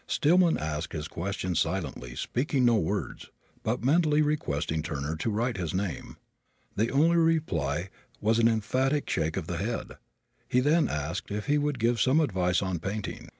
Stillman asked his question silently, speaking no words, but mentally requesting Turner to write his name. The only reply was an emphatic shake of the head. He then asked if he would give some advice on painting.